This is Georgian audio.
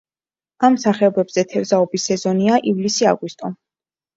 ამ სახეობებზე თევზაობის სეზონია ივლისი-აგვისტო.